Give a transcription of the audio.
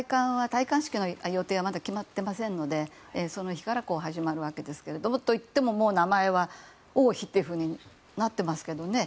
戴冠式の予定はまだ決まってませんのでその日から始まるわけですがといっても名前は王妃というふうになっていますけどね。